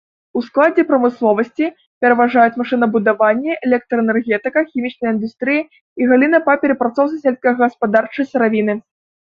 У складзе прамысловасці пераважаюць машынабудаванне, электраэнергетыка, хімічная індустрыя і галіны па перапрацоўцы сельскагаспадарчай сыравіны.